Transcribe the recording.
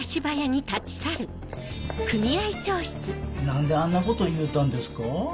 何であんなこと言うたんですか？